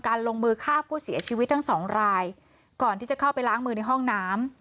ลงมือฆ่าผู้เสียชีวิตทั้งสองรายก่อนที่จะเข้าไปล้างมือในห้องน้ำ